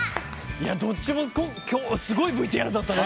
どっちも今日はすごいＶＴＲだったね。